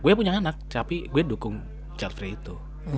gue punya anak tapi gue dukung chary itu